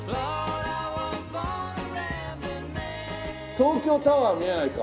東京タワーは見えないか。